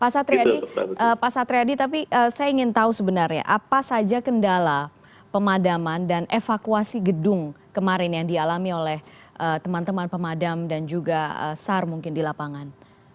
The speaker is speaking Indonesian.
pak satriadi tapi saya ingin tahu sebenarnya apa saja kendala pemadaman dan evakuasi gedung kemarin yang dialami oleh teman teman pemadam dan juga sar mungkin di lapangan